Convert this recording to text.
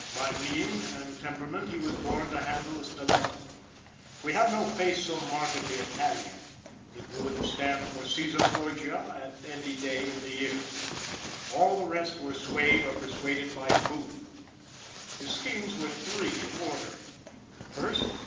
By mien and temperament he was born to handle a stiletto. We have no face so markedly Italian; it would stand for Caesar Borgia any day in the year. All the rest were swayed or persuaded by Booth; his schemes were three in order: 1st.